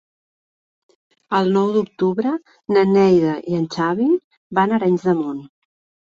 El nou d'octubre na Neida i en Xavi van a Arenys de Munt.